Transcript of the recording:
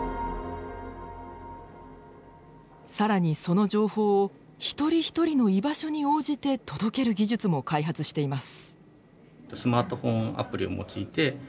更にその情報を一人一人の居場所に応じて届ける技術も開発しています。